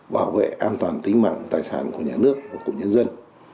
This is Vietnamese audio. bảo vệ an toàn tính mạng tài sản của nhà nước và của nhân dân